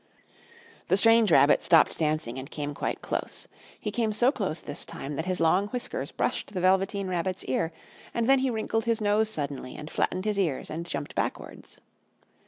The strange rabbit stopped dancing, and came quite close. He came so close this time that his long whiskers brushed the Velveteen Rabbit's ear, and then he wrinkled his nose suddenly and flattened his ears and jumped backwards.